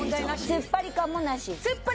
つっぱり感もなし？